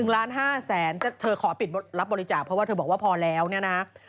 ๑ล้าน๕แสนเธอขอปิดรับบริจาคเพราะว่าเธอบอกว่าพอแล้วเนี่ยนะ